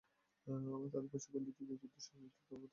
তাদের প্রশিক্ষণ দিতে হবে এবং যুদ্ধে সশস্ত্র তত্পরতা নিয়োগ করতে হবে।